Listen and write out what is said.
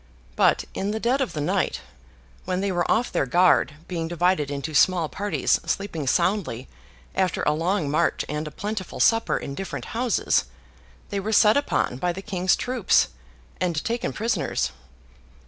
But, in the dead of the night, when they were off their guard, being divided into small parties sleeping soundly after a long march and a plentiful supper in different houses, they were set upon by the King's troops, and taken prisoners.